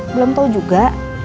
belum tahu juga